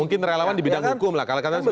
mungkin relawan di bidang hukum lah